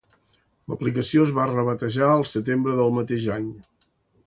L'aplicació es va rebatejar el setembre del mateix any.